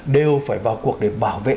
đều phải vào cuộc để bảo vệ